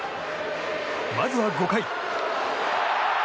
まずは５回。